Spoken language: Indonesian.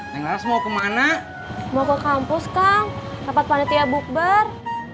dengeras mau kemana mau ke kampus kang dapat panitia bukber